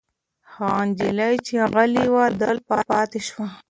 هغه نجلۍ چې غلې وه دلته پاتې شوه.